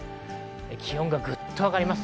気温がぐっと上がります。